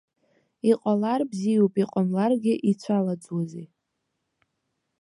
Иҟалар бзиоуп, иҟамларгьы ицәалаӡуазеи.